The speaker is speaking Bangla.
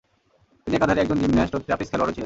তিনি একাধারে একজন জিমন্যাস্ট ও ট্রাপিজ খেলোয়াড়ও ছিলেন।